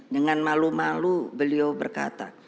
dengan malu malu beliau berkata